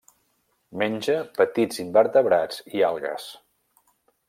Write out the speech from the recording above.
Menja petits invertebrats i algues.